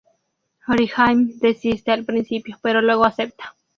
Orihime desiste al principio pero luego acepta.